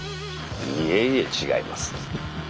いえいえ違います。